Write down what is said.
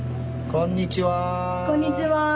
こんにちは。